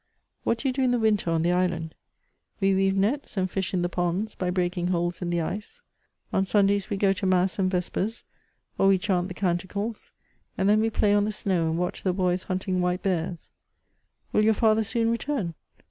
'* What do you do in the winter on the island ?"^^ We weave nets, and fish in the ponds, by breaking holes in the ice ; on Sundays we go to mass and vespers, or we chant the canticles ; and then we play on the snow and watch the boys hunt ing white bears." Will your father soon return